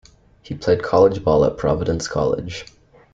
He played college ball at Providence College.